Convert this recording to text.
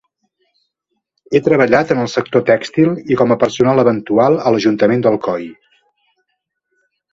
Ha treballat en el sector tèxtil i com a personal eventual a l'ajuntament d'Alcoi.